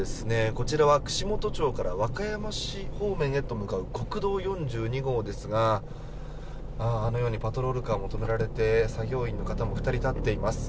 こちらは串本町から和歌山市方面へと向かう国道４２号ですがあのようにパトロールカーが止められて作業員の方も２人立っています。